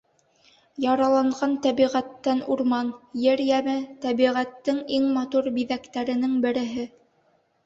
Яраланған тәбиғәттән Урман — ер йәме, тәбиғәттең иң матур биҙәктәренең береһе.